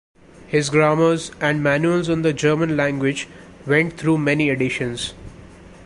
His grammars and manuals on the German language went through many editions.